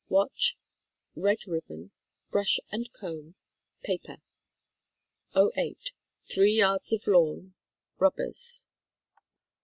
Watch, red ribbon, brush and comb, paper. '08. Three yards of lawn, rubbers.